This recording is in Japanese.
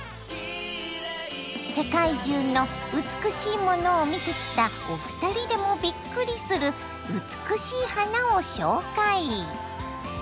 世界中の美しいものを見てきたお二人でもびっくりする美しい花を紹介。